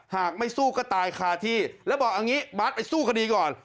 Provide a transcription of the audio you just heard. หากไม่สู้ก็ตายคาที่แล้วบอกเอางี้บาทไปสู้คดีก่อน